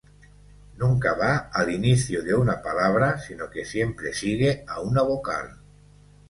Nunca va al inicio de una palabra sino que siempre sigue a una vocal.